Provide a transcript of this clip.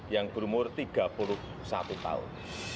yang berumur tiga puluh satu tahun